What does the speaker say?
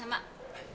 はい。